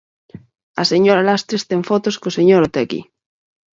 A señora Lastres ten fotos co señor Otegi.